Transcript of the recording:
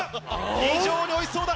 非常においしそうだ！